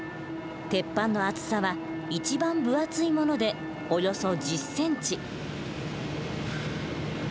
鉄板の厚さは一番分厚いものでおよそ１０ｃｍ。